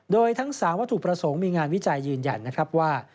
โดยทั้ง๓วัตถุประสงค์มีงานวิจัยยืนยันนะครับว่า